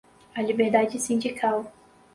a liberdade sindical